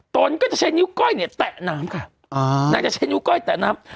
ตนก็จะเช็ดนิ้วก่อยเนี้ยแตะน้ำก่อนอ่าน่าจะเช็ดนิ้วก่อยแตะน้ำ